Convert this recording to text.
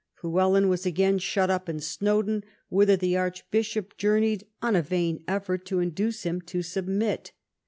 Llywelyn was again shut up in Snowdon, whither the Archbishop journeyed on a vain effort to induce him to submit.